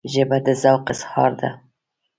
ژبه د ذوق اظهار ده